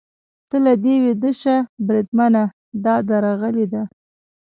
ته له دې ویده شه، بریدمنه، دا درغلي ده.